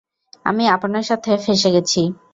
আমি আপনার সাথে ফেঁসে গেছি।